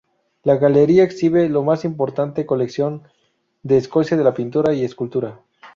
La galería exhibe la más importante colección de Escocia de pintura y escultura.